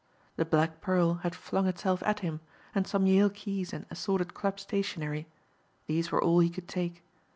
The black pearl had flung itself at him, and some yale keys and assorted club stationery these were all he could take.